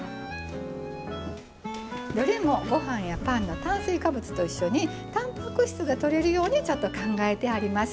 どれもご飯やパンの炭水化物と一緒にたんぱく質がとれるようにちょっと考えてあります。